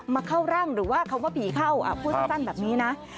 เข้าร่างหรือว่าคำว่าผีเข้าพูดสั้นแบบนี้นะ